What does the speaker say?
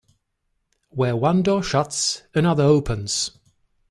Where one door shuts, another opens.